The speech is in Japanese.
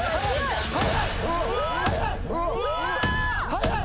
速い！